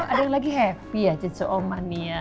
aduh ada lagi happy ya cicu oma nih ya